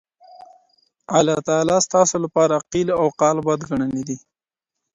الله تعالی ستاسو لپاره قيل او قال بد ګڼلي دي.